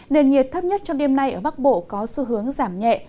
nền nhiệt thấp nhất trong đêm nay ở bắc bộ có xu hướng giảm nhẹ